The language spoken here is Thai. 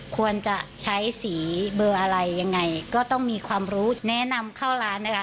ควรจะใช้สีเบอร์อะไรยังไงก็ต้องมีความรู้แนะนำเข้าร้านนะคะ